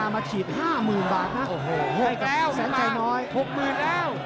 มาฉีดห้าหมื่นบาทนะโอ้โหห้าแล้วแสนใจน้อยหกหมื่นแล้ว